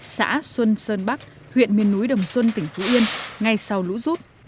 xã xuân sơn bắc huyện miền núi đồng xuân tỉnh phú yên ngay sau lũ rút